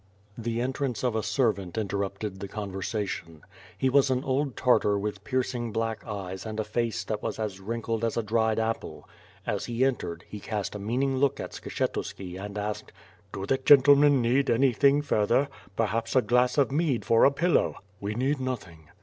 The entrance of a servant interrupted the conversation. He was an old Tartar with piercing black eyes and a face that was as wrinkled as a dried apple. As he entered, he cast a meaning look at Skshetuski and asked: "Do the gentlemen need anything further? Perhaps a glass of mead for a pillow!" "We need nothing."